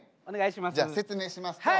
お願いします。